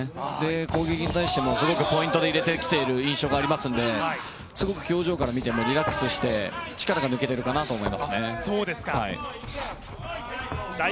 攻撃に対してもすごくポイントで入れてきている印象がありますのですごく表情から見てもリラックスして力が抜けているかなと思いますね。